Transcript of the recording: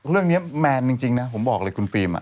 เรื่องนี้แมนจริงนะผมบอกเลยคุณฟิล์ม